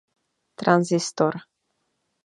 Tranzistor